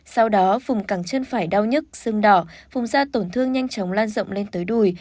sau đó vùng cẳng chân phải đau nhất xương đỏ vùng da tổn thương nhanh chóng lan rộng lên tới đùi